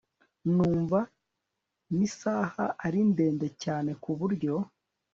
numva nisaha ari ndende cyane kuburyo